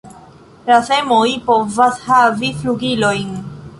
La semoj povas havi flugilojn.